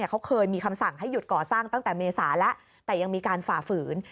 เขาเคยมีคำสั่งให้หยุดก่อสร้างตั้งแต่เมษาแล้วแต่ยังมีการฝ่าฝืน